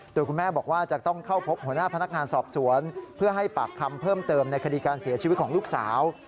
โดยคุณแม่บอกว่าจะต้องเข้าพบหัวหน้าพนักงานสอบสวนเพื่อให้ปากคำเพิ่มเติมในคดีการเสียชีวิตของลูกสาว